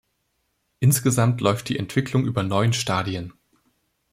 Insgesamt läuft die Entwicklung über neun Stadien.